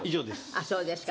あっそうですか。